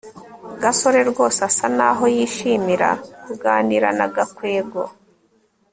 gasore rwose asa naho yishimira kuganira na gakwego